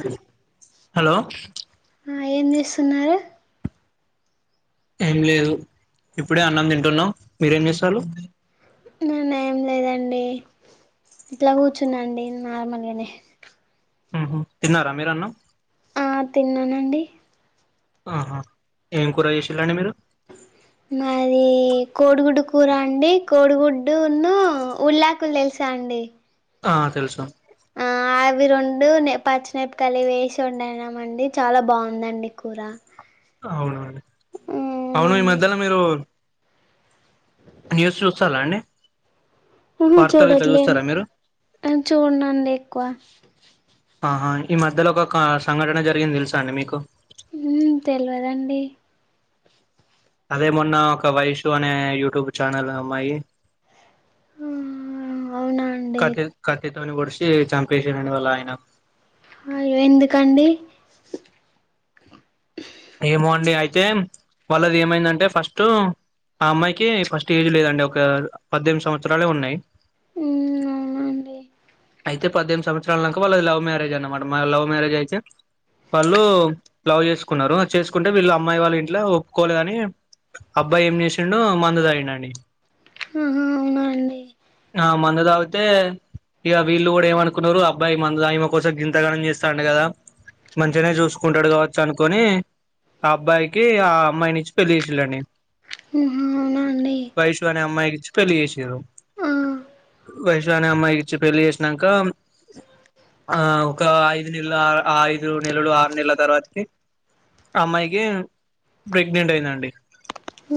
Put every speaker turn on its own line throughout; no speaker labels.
అ hello
ఏం చేస్తున్నారు?
ఏం లేదు ఇప్పుడే అన్నం తింటున్నావవ్, మీరేం చేస్తాల్లు?
నాన్న ఏమి లే ఇట్లా కూర్చున్నాండి నార్మల్గనే
ఉహు, తిన్నారా మీరన్నం?
ఆ తిన్నానండి
ఆహా ఏం కూర చేసేళండి మీరు
మాది కోడిగుడ్డు కూర అండి, కోడిగుడ్డున్న ఉల్లాకులు తెలుసాండి?
ఆ తెలుసా
ఆ అవి రెండు పచ్చినిపికలి వేసి ఉం అయినా అండి చాలా బాగుందండి కూర
అవును అండి అవును ఈ
అవునండి
మధ్యలో మీరు న్యూస్ చూస్తారా అండి
ఆహా
వార్తలు ఇట్లా
చూడట్లేన్,
చూస్తారా మీరు
అన్ చూడనండి ఎక్కువ
ఆహా ఈ మధ్యలో ఒక క సంఘటన జరిగింది తెలుసా అండి మీకు?
ఉ తెలియదండి
అదే మొన్న ఒక వైషూ అనే యూట్యూబ్ ఛానల్ అమ్మాయి
అవునా అండి
కటిల్ కటిల్ ని పొడిశి చంపేసిందండి వాళ్ల ఆయన
అయ్యో ఎందుకండి
ఏమో అండి అయితే వాళ్ళది ఏమైందంటే ఫస్ట్ ఆ అమ్మాయికి ఫస్ట్ ఏజ్ లేదండి ఒక పద్దెనిమిది సంవత్సరాలే ఉన్నాయి
ఉమ్ అవునా అండి
అయితే పద్దెనిమిది సంవత్సరాలక వాళ్ళ లవ్ మ్యేరేజ్ అనమాట, మా లవ్ మ్యారేజ్ అయితే వాళ్ళు లవ్ చేసు కున్నారు చేసుకుంటే వీళ్ళు అమ్మాయి వాళ్ళ ఇంట్ల ఒప్పుకోలేదుని, అబ్బాయి ఏం చేసిండు మందు తాగిండండి.
హ్మ్మ్ అవును
ఆ మందు తాగుతే, ఇగ వీళ్ళు గుడ ఏమనుకున్నారు అబ్బాయి మందు తాగి, ఈమ కోసం గింతగణం చేస్తాండు కదా మంచిగానే చూసుకుంటడు కావచ్చు అనుకొని, ఆ అబ్బాయికి ఆ అమ్మాయినిచ్చి పెళ్లి చేసిల్లండి.
ఆహా అవునా అండి
వైషూ అనే అమ్మాయికి ఇచ్చి పెళ్లి చేసిర్రూ.
ఆ ఆహా
వైషు అనే అమ్మాయికి ఇచ్చి పెళ్లి చేసినంక, ఆ ఒక ఐదు నెల ఐదు నెలలు ఆరు నెలల తర్వాతకి, అమ్మాయికి ప్రెగ్నెంట్ అయిందండి.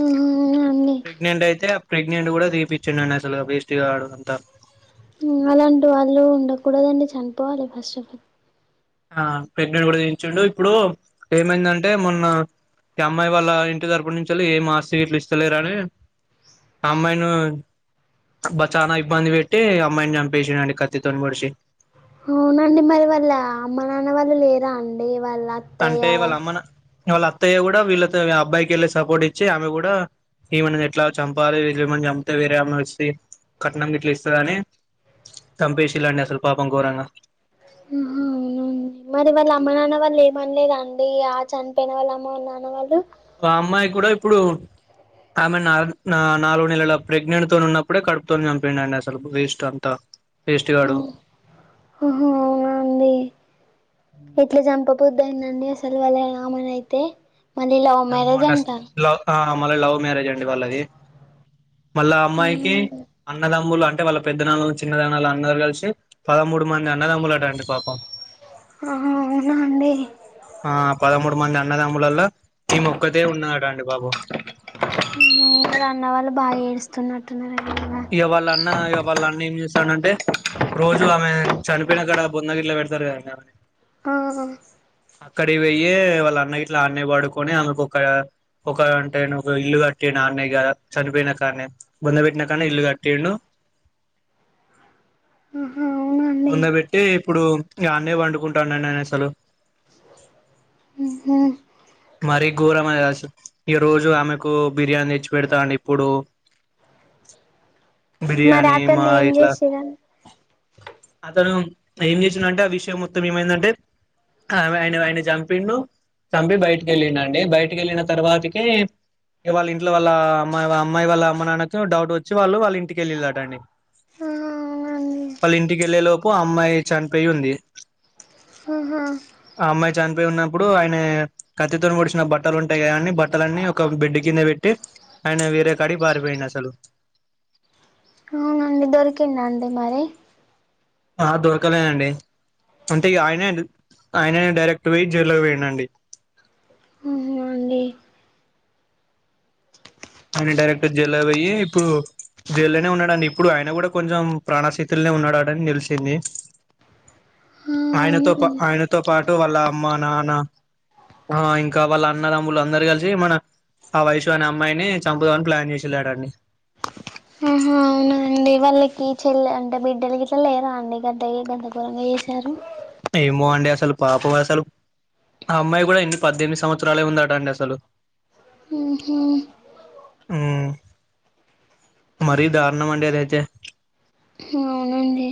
అవునా అండి
ప్రెగ్నెంట్ అయితే ప్రెగ్నెంట్ కూడా తీపిచ్చిండి అసలు వేస్ పటిగాడు అంతా
అలాంటి వాళ్ళు ఉండకూడదండి చనిపోవాలి ఫస్ట్ ఆఫ్ ఆల్
ఆ ప్రెగ్నెంట్ కూడా చేయించాడు ఇప్పుడు ఏమైందంటే మొన్న ఈ అమ్మాయి వాళ్ళ ఇంటి తరపు నుంచిళ్ ఏం ఆస్తి వీట్లు ఇస్తలేరుని అమ్మాయిని బ చాలా ఇబ్బంది పెట్టి అమ్మాయిని చంపేసిాడుండి కత్తితోని పడిచి
అవునండి మరి వాళ్ళ అమ్మ నాన్న వాళ్ళు లేరా అండి వాళ్ళ అత్తయ్య
అంటే ఇ వాళ్ళ
వాళ్ళు
అమ్మన వాల అత్ అత్తయ్య కూడా వీళ్ళతో అబ్బాయికి వెళ్ళి సపోర్ట్ ఇచ్చి ఆమె కూడా ఈమని ఎట్లా చంపాలి వీళ్ళు ఏమని చంపితే వేరే ఏమ వస్తి కట్నం గట్లా ఇస్తారని చంపేసి ఇలాండి అసలు పాపం గోరంగా
ఆహా అవున మరి వాళ్ళ అమ్మ నాన్న వాళ్ళు ఏమనలేదండి ఆ చనిపోయిన వాళ్ళు అమ్మ నాన్న వాళ్ళు
అమ్మాయి కూడా ఇప్పుడు ఆమె నగు నాలుగు నెలల ప్రెగ్నెంట్ తో ఉన్నప్పుడే కడుపుతోనే చంపిండ అండి అసలు వేస్ట్ అంతా వేస్ట్
ఓ
గాడు
ఓహో అవునా అండి ఎట్లే జంప బుద్ధయ్దండి సలవాల అమనై అయితే మళ్ళీ లవ్ మ్యారేజ్ అంట
మళ్ళీ లవ్ మ్యారేజ్ అండి వాళ్ళది మళ్ళా అమ్మాయికి అన్నదామ్ములు అంటే వాళ్ళ పెద్దదలు చిన్నదనాలు అందరూ కలిసి పదమూడు మంది అన్నదమ్ములటండి పాపం
ఆహా అవునా అండి
ఆ పదమూడు మంది అన్నదముల్లలో
ఉమ్ అన్న వాళ్ళు బాగా ఏడుస్తున్నట్టు తున్నారే
ఇగాళన్నా ఇగాళ్ళ అన్న ఏం చేస్తానంటే రోజు ఆమె చనిపో ప్పిన అక్కడ బొన్నగిట్లా పెడతారు కద
అ
అక్కడి వెయ్యి వాళ్ళ అన్న గిట్లా అన్నయ్య పడుకొని ఆమెకొక ఒక ఒక అంటే ఒక ఇల్లు కట్టటి అన్నే ఇగ చనిపోయినా కాన్నే బొంద పెట్టిన అన్నే ఇల్లు కంటిండూ
అవునండి
బొంద బేట్టే ఇప్పుడు గన్నే పాన్డుకుంటానండి నాన్ అసలు
ఉ హుమ్
మరీ గోరం అది అసలు ఈ రోజు ఆమెకు బిర్యానీ తెచ్చి పెడతా అండి ఇప్పుడు
మరి
బిర్యానీ మా
అతన్ని ఏం
ఇట్లా
జేసిర్రండి
అతను ఏం చేసిండాన్టే ఆ విషయం మొత్తం ఏమైందంటే వాయనా వాయనా చంపిండు చంపి బయటకి వెళ్ళిడు అండి బయటకి వెళ్ళిన తర్వాతకే వాళ్ళ ఇంట్లో వాళ్ళ అమ్మాయి అమ్మాయి వాళ్ళ అమ్మ నాన్నకు డౌట్ వచ్చి వాళ్ళు వాళ్ళ ఇంటికెళ్ళిలాటండీ
ఆ అవునండి
వాళ్ళ ఇంటి ఇంటికెళ్ళే లోపు ఆ అమ్మాయి చనిపోయి ఉంది
ఆహా
పోయి ఉన్నప్పుడు ఆయన కత్తితోని పోడిసిన బట్టలు ఉంటాయి కాద అండి బట్టలన్నీ ఒక బిడ్ కింద పెట్టి ఆయన వేరే కాడికి పారిపోయిడు అసలు
అండి దొరికిందా అండి మరి
ఆ దొరకలేదండి అంటే ఇగ ఆయనే ఆయనే డైరెక్ట్ పోయ్ జైల్లోకి పోయిండండి
ఆహా అండి
ఆయన డైరెక్ట్ జైల్లో పోయి ఇప్పుడు జైల్లోనే ఉన్నాడుని ఇప్పుడు ఆయన కూడా కొంచెం ప్రాణశితులనే ఉన్నాడాడని తెలిసింది
ఆ
ఆయనతో పా
అవునండి
ఆయనతో పాటు వాళ్ళ అమ్మ నాన్న ఆ ఇంకా వాళ్ళ అన్నదమ్ములు అందరు కలిసి మన ఆ వైషు అనే అమ్మాయిని చంపుదామని ప్లాన్ చేసి జేసిండ్రటాన్డి
డి వాళ్ళకి చెల్ అంటే బిడ్డలకి గిట్లా లేరా అండి గద్ది గద్దగోరంగా చేసారు
ఏమో అండి అసలు పాపం అసలు ఆ అమ్మాయి కూడా ఎన్ని పద్దెనిమిది సంవత్సరాలే ఉందట అండి అసలు
ఉహు
ఉమ్ మరీ దారుణం అండి అదైతే
అవునండి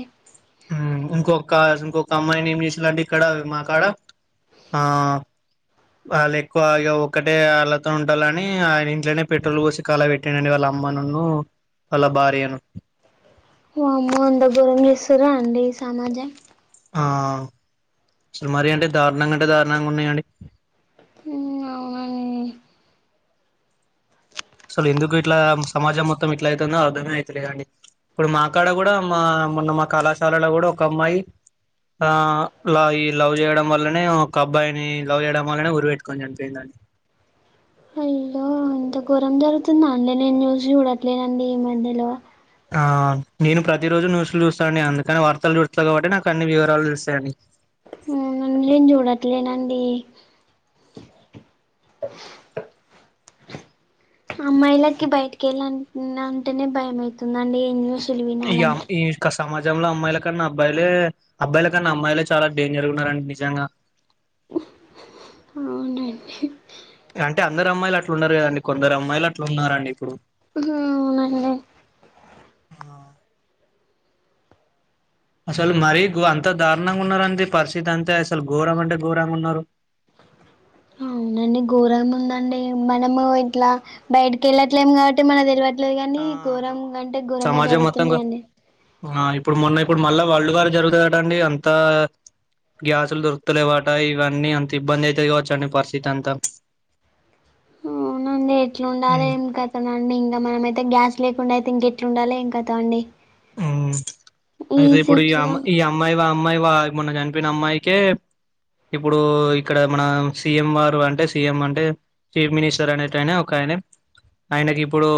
ఉమ్ ఇంకొక ఇంకొక అమ్మాయిని ఏం చేసాలంటే ఇక్కడ మాకాడ ఆ వాళ్ళు ఎక్కువ ఒక్కటే వాళ్ళతో ఉంటాలని ఆయన ఇంట్లోనే పెట్రోల్ పోసి కలా పెట్టిండండి వాళ్ళ అమ్మన్ను వాళ్ళ భార్యను
వా అమ్మో అంత గోరం చేస్తురా అండి ఈ సమాజం
ఆ అసలు మరి అంటె దారుణంగా అంటే దారుణంగా ఉన్నాయండి
ఉమ్ అవునని
అసలు ఎందుకు ఇట్లా సమాజం మొత్తం ఇట్లా అయితుందో అర్థమే అయితులేదండి ఇప్పుడు మా అక్కడ కూడా మా మొన్న మా కళాశాలలో కూడా ఒక అమ్మాయి ఆ లా ఈ లవ్ చేయడం వల్లనే ఒక అబ్బాయిని లవ్ చేయడం వల్లనే ఉరి పెట్టుకొని చనిపోయిందండి
అయ్యో ఇంత ఘోరం జరుగుతుంద అండి నేను న్యూస్ చూడట్లేనండి ఈ మధ్యలో
ఆ నేను ప్రతి రోజు న్యూస్లు చూస్తానండి అందుకని వార్తలు చూస్తా కాబట్టి నాకు అన్ని వివరాలు తెలుస్తాయండి
నేను చూడట్లేనండి అమ్మాయిలకి బయటకి వెళ్ళ అంటేనే భయ అయితుందండి ఎమ్
యా ఈ క సమాజంలో అమ్మాయిల కన్నా అబ్బాయిలే అబ్బాయిల కన్నా అమ్మాయిలే చాలా డేంజర్ ఉన్నారండి నిజంగా
అవునండి
అంటే అందరు అమ్మాయిలు అట్లు ఉన్నారు కదండి కొందరు అమ్మాయిలు అట్లు ఉన్నారండి ఇప్పుడు
అ అవునండి
ఆ అసలు మరీ అంత దారుణంగా ఉన్నారండి పరిస్థితి అంటె అసలు ఘోరం అంటే ఘోరంగా ఉన్నారు
అవునండి ఘోరం ఉందండి మనము ఇట్లా బయటికి వెళ్ళట్లేం కాబట్టి మన తెలివట్ ట్ లేదు కానీ
ఆ
ఘోరం అంటే ఘోరంగా
సమాజం మొత్తం గా
జరుగుతున్నాయండి
ఆ ఇప్పుడు మొన్న ఇప్పుడు మళ్ళా వళ్లుగారు జరుగుతు కటండి అంత గ్యాసులు దొరుకుతలే వాట ఇవన్నీ అంత ఇబ్బంది అయితే కావచ్చండి పరిస్థితి అంతా
అవునండి ఎట్లుండాలి ఏం కదనండి ఇంకా మనమయితే గ్యాస్ లేకుండా అయితే ఇంక ఎట్లా ఉండాల ఇంకతా అండి
ఉమ్ అయితే ఇప్పుడు ఈ అమ్మా ఈ అమ్మాయి అమ్మాయి వా మొన్న చనిపిన అమ్మాయికే ఇప్పుడు ఇక్కడ మన సీఎం వారు అంటే సీఎం అంటే చీఫ్ మినిస్టర్ అనేటనే ఒక ఆయన ఆయనకి ఇప్పుడు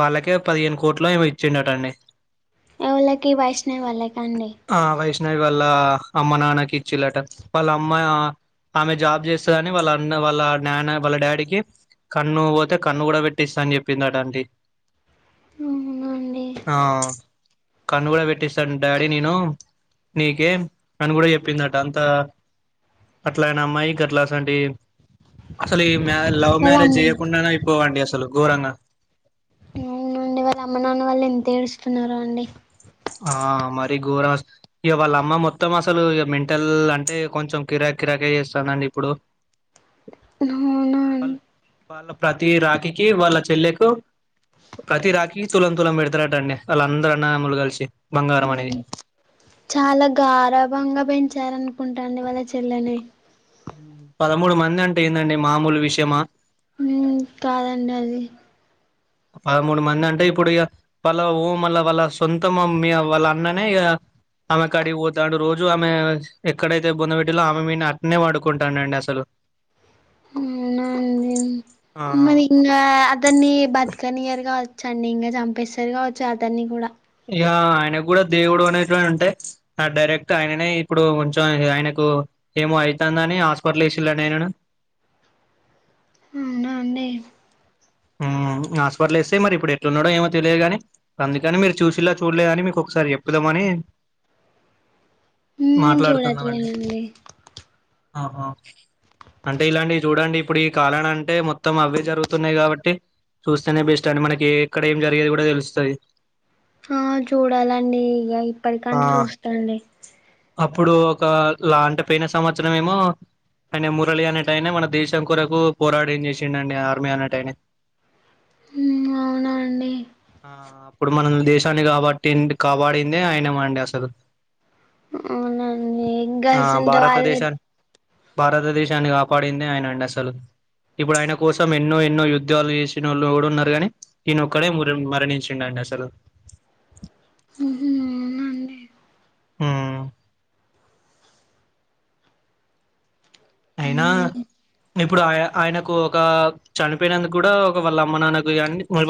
వాళ్ళకే పదిహేను కోట్లు ఏమి ఇచ్చిండటండి
ఎవళ్ళకి వైష్ణవి వాళ్ళ కాండి
ఆ వైష్ణవి వాళ్ళ అమ్మ నాన్నకి ఇచ్చిలాట వాళ్ళ అమ్మా ఆమె జాబ్ చేస్తుందిని వాళ్ళన్న వాళ్ళ నాన్న వాళ్ళ డాడీకి కన్ను పోతే కన్ను కూడా పెట్టిస్తాని చెప్పిందిట అంట
అవున అండి
కన్ను కూడా పెట్టిస్తాను డాడీ నేను నీకే అని కూడా చెప్పిందట అంత అట్లా ఆయన అమ్మాయికి అట్లా అసంటి అసలు మ లవ్
వాళ్ళ అమ్మ
మ్యారేజ్ చేయకుండానే అయి పోవండి అసలు గోరంగా
అవునండి వాళ్ళు అమ్మ నాన్న వాళ్ళు ఎంత ఏడుస్తున్నారో అండి
ఆ మరి ఘోరం ఇక వాళ్ళ అమ్మ మొత్తం అసలు ఇక మెంటల్ అంటే కొంచెం కిరాక్ కిరాకే చేస్తానండి ఇప్పుడు
అవునా
అల్
అండి
వాళ్ళ ప్రతిీ రాకికి వాళ్ళ చెల్లెకు ప్రతి రాకికి తులం తులం పెడతారటండి వాళ్ళ అందరన్నదమ్ములు కలిసి బంగారం అనేది
చాలా గారభంగా పెంచారని కుంటాండి వాళ్ళ చెల్లని
పదమూడు మంది అంటే ఏందండి మామూలు విషయమా
ఉమ్ కాదండి అది
పదమూడు మంది అంటే ఇప్పుడు ఇ వాళ్ళ మళ్ళ వాళ్ళ సొంతం మీ వాళ్ళ అన్ననే ఇక ఆమె కడిగి పోతాడు రోజు ఆమె ఎక్కడైతే బొధ పెట్టిలో ఆమె మీ అట్నే వాడుకుంటానండి అసలు
అవునా అండి
ఆ
మరి ఇంక అతన్ని బ పకనియర్ కావచ్చు అండి ఇంకా చంపేస్తారు కావచ్చు అతన్ని కూడా
ఇ ఆయనకు కూడా దేవుడు అనేవ ఉంటాయి డైరెక్ట్ ఆయననే ఇప్పుడు కొంచెం ఆయనకు ఏమో అవుతుందని హాస్పిటల్ ఇసిలాడి నేను
అవునా అండి
హాస్పిటల్ ఇస్తే మరి ఇప్పుడు ఎట్లున్నాడో ఏమో తెలియదు కాని అందుకని మీరు చూసిలా చూడలేదు అని మీకు ఒకసారి చెప్పుదామని
నేను
మాట్లాడుతున్నామండి
చూడట్లేనండి
ఆహా అంటే ఇలాంటివి చూడండి ఇప్పుడు ఈ కాలాన అంటే మొత్తం అవే జరుగుతున్నాయి కాబట్టి టే చూస్తేనే బెస్ట్ అండి మనకి ఏ ఎక్కడ ఏం జరిగేది కూడా తెలుస్తది
ఆ చూడాలండి ఇగ ఇప్పటికంట
ఆ
చూస్తాండి
అప్పుడు ఒక లాంటిపోయిన సంవత్సరం ఏమో ఆయన మురళి అనేటైనా మన దేశం కొరకు పోరాడిం చేసిండండి ఆర్మీ అనేటైనా
అవునా అండి
ఆ అప్పుడు మనం దేశాన్ని కాబట్టి కాబడిందే ఆయన మండి అసలు
అవునండి
ఆ
ఇంకాసుంట వాళ్ళని
భారతదేశాన్ని భారతదేశాన్ని కాపాడిందే ఆయన అండి అసలు ఇప్పుడు ఆయన కోసం ఎన్నో ఎన్నో యుద్ధాలు చేసినోళ్ళు కూడా ఉన్నారు కానీ ఈయన ఒక్కడే మరణించిండ అండి అసలు
హ్మ్ హు అవునండి
మ్మ్ అయినా ఇప్పుడు ఆయ ఆయన కో ఒక చనిపోయినందుకు కూడా ఒక వాళ్ళ అమ్మ నాన్నకు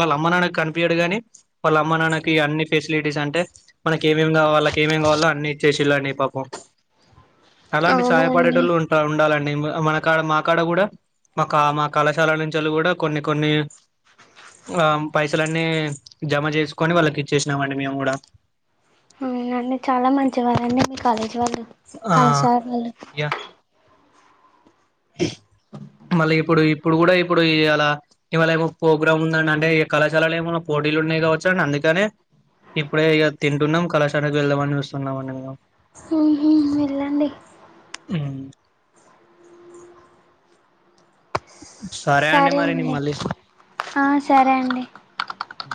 వాళ్ళ అమ్మ నాన్నకు కనిపియ్యడు గాని వాళ్ళ అమ్మ నాన్నకి అన్ని ఫెసిలిటీస్ అంటే మనకి ఏమేమి కా వాళ్ళకి ఏమేమి కావాలో అన్ని ఇచ్చసిళ్ళండి ఈ పాపం అలాంటి
అవునండి
సాయపడేటోళ్ళు ఉంటా ఉన్ అలా నే మన కాడ మా కాడ కూడా మా కా మా కళాశాల నుంచి వాళ్ళు కూడా కొన్ని కొన్ని ఆ పైసలన్నీ జమ చేసుకొని వాళ్ళకి ఇచ్చేసినామండి మేము కూడా
అవున అండి చాలా మంచి వారండి మీ కాలేజీ వాళ్ళు
ఆ
కళాశాల వాళ్ళు
ఇగ మళ్ళీ ఇప్పుడు ఇప్పుడు కూడా ఇప్పుడు ఇ అలా ఇవాళ ఏమో ప్రోగ్రాం ఉందండి అంటే కళాశాలలు ఏమనా పోటీలు ఉన్నాయి కావచ్చండి అందుకనే ఇప్పుడే ఇక తింటున్నాం కళాశాలకు వెళ్దామని చూస్తున్నామ్మ్ అండి మేము
వెళ్ళండి సరే
మరి నేను
అండి
మళ్ళీ
ఆ సరే అండి
పే